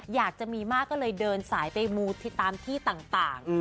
อยากจะมีมากก็เลยเดินสายไปมูที่ตามที่ต่าง